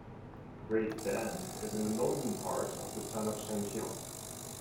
Great Bend is in the northern part of the Town of Champion.